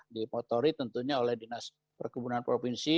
di motori tentunya oleh dinas perkebunan provinsi